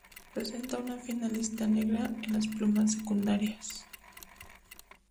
Presenta una fina lista negra en las plumas secundarias.